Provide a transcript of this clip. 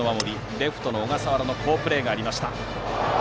レフトの小笠原の好プレーがありました。